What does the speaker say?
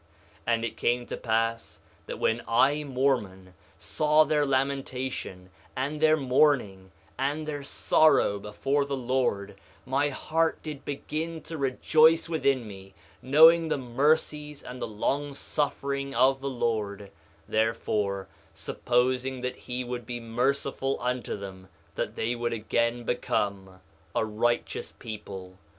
2:12 And it came to pass that when I, Mormon, saw their lamentation and their mourning and their sorrow before the Lord, my heart did begin to rejoice within me, knowing the mercies and the long suffering of the Lord, therefore supposing that he would be merciful unto them that they would again become a righteous people.